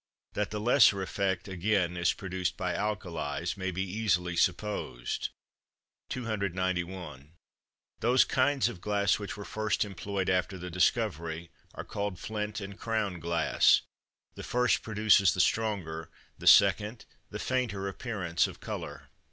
That the lesser effect, again, is produced by alkalis, may be easily supposed. 291. Those kinds of glass which were first employed after the discovery, are called flint and crown glass; the first produces the stronger, the second the fainter appearance of colour.